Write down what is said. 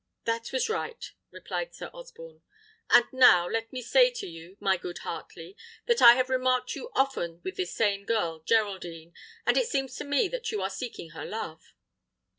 "That was right," replied Sir Osborne. "And now, let me say to you, my good Heartley, that I have remarked you often with this same girl Geraldine, and it seems to me that you are seeking her love."